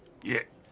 いえ。